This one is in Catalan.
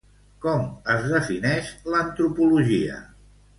Com es defineix l'antropologia?